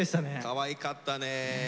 かわいかったね。